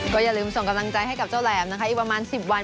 ก็อย่าลืมส่งกำลังใจให้กับเจ้าแหลมนะคะอีกประมาณ๑๐วัน